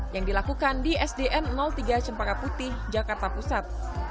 yang dilakukan di sdn tiga cempaka putih jakarta pusat